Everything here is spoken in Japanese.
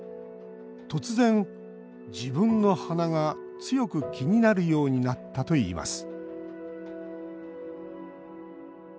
突然、自分の鼻が強く気になるようになったといいます